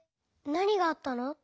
なにがあったの？